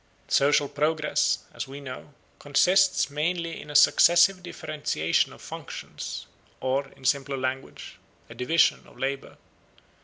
Social progress, as we know, consists mainly in a successive differentiation of functions, or, in simpler language, a division of labour.